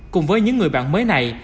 cùng với những người bạn mới này